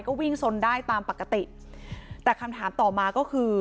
ก็วิ่งสนได้ตามปกติแต่คำถามต่อมาก็คือ